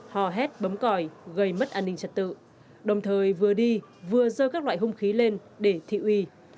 hò hét bấm còi gây mất an ninh trật tự đồng thời vừa đi vừa dơ các loại hung khí lên để thị uy